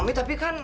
eh mami tapi kan